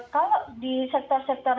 kalau di sektor sektor